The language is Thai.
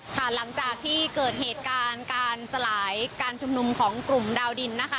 ค่ะหลังจากที่เกิดเหตุการณ์การสลายการชุมนุมของกลุ่มดาวดินนะคะ